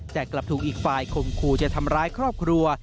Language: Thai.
แต่กลับถูกอีกฝ่ายคมคู่จะทำร้ายครอบครัว